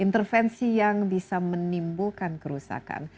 intervensi yang bisa menimbulkan kerusakan